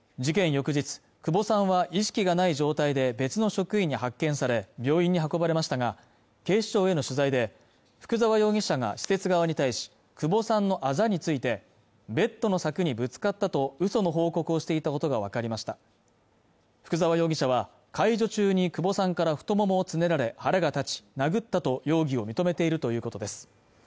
翌日、久保さんは意識がない状態で別の職員に発見され病院に運ばれましたが警視庁への取材で福沢容疑者が施設側に対し久保さんのあざについてベッドの柵にぶつかったと嘘の報告をしていたことが分かりました福沢容疑者は介助中に久保さんから太ももをつねられ腹が立ち殴ったと容疑を認めているということです